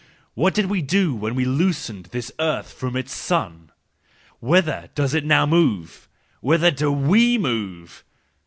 What did we do when we loosened this earth from its sun? Whither does it now move? Whither do we move?